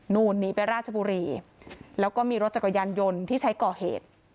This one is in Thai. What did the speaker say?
หนีไปราชบุรีแล้วก็มีรถจักรยานยนต์ที่ใช้ก่อเหตุ